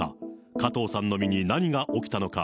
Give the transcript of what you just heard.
加藤さんの身に何が起きたのか。